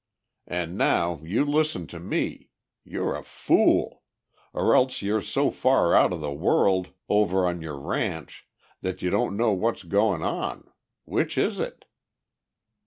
"And now you listen to me; you're a fool! Or else you're so far out of the world over on your ranch that you don't know what's going on. Which is it?"